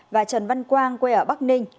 và trần văn quang quê ở bắc ninh